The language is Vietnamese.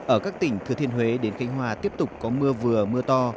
ở các tỉnh thừa thiên huế đến kinh hoa tiếp tục có mưa vừa mưa to